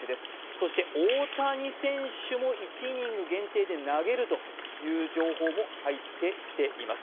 そして大谷投手も１イニング限定で投げるという情報も入ってきています。